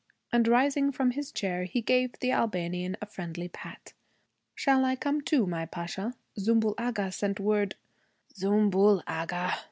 And, rising from his chair, he gave the Albanian a friendly pat. 'Shall I come too, my Pasha? Zümbül Agha sent word ' 'Zümbül Agha!'